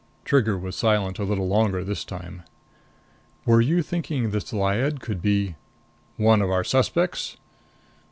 Trigger was silent a little longer this time. "Were you thinking this Lyad could be...." "One of our suspects?